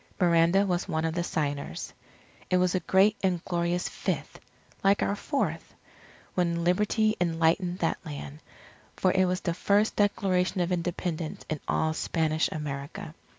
Miranda was one of the signers. It was a great and glorious Fifth like our Fourth when Liberty enlightened that land. For it was the first Declaration of Independence in all Spanish America.